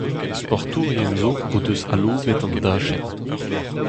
Sportourien zo o deus aloubet an dachenn.